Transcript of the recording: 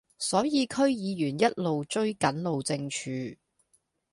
所以區議員一路追緊路政署